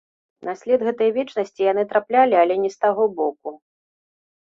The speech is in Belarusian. На след гэтай вечнасці яны траплялі, але не з таго боку.